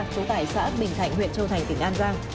trú tại xã bình thạnh huyện châu thành tỉnh an giang